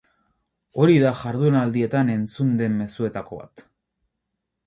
Hori da jardunaldietan entzun den mezuetako bat.